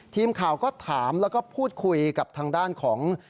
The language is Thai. ทีมข่าวก็ถามแล้วก็พูดคุยกับทางด้านของ